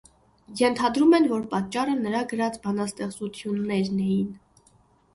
Ենթադրում են, որ պատճառը նրա գրած բանաստեղծություններն էին։